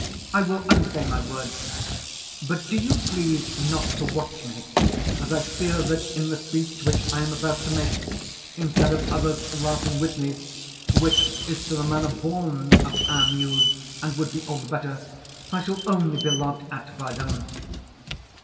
I will unsay my words; but do you please not to watch me, as I fear that in the speech which I am about to make, instead of others laughing with me, which is to the manner born of our muse and would be all the better, I shall only be laughed at by them.